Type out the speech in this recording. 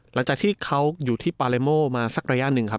หลังจากที่เขาอยู่ที่ปาเลโมมาสักระยะหนึ่งครับ